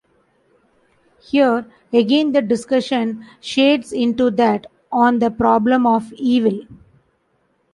Here, again, the discussion shades into that on the problem of evil.